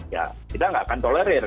ya kita nggak akan tolerir